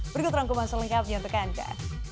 berikut rangkuman selengkapnya untuk anda